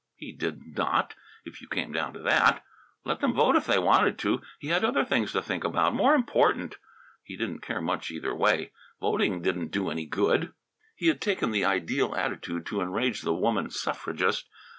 He did not, if you came down to that. Let them vote if they wanted to. He had other things to think about, more important. He didn't care much, either way. Voting didn't do any good. He had taken the ideal attitude to enrage the woman suffragist.